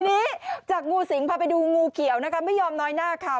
ทีนี้จากงูสิงพาไปดูงูเขียวนะคะไม่ยอมน้อยหน้าค่ะ